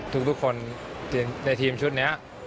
ทุกคนในทีมชุดนี้